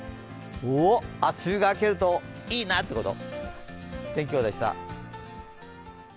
おっあっ梅雨が明けるといいなってこと？